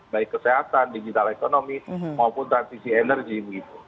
baik kesehatan digital ekonomi maupun transisi energi